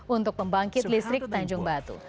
untuk pembangkit listrik tanjung batu